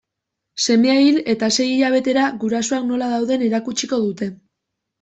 Semea hil eta sei hilabetera gurasoak nola dauden erakutsiko dute.